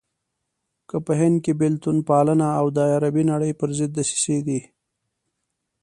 که په هند کې بېلتون پالنه او د عربي نړۍ پرضد دسيسې دي.